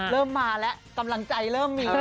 เริ่มมาแล้วกำลังใจเริ่มมีแล้ว